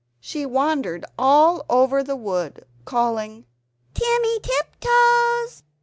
She wandered all over the wood, calling "Timmy Tiptoes!